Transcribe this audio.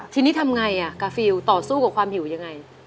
ทีนี้ทำไงกาฟิลต่อสู้กับความหิวยังไง